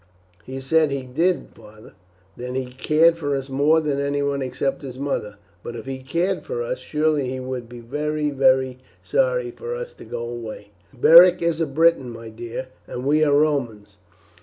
"He said he did, father, that he cared for us more than anyone except his mother; but if he cared for us, surely he would be very, very sorry for us to go away." "Beric is a Briton, my dear, and we are Romans.